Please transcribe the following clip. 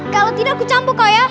kalau tidak aku campur kamu